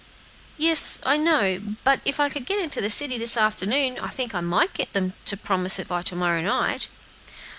"Yes, I know; but if I could get into the city this afternoon, I think I might get them to promise it by to morrow night."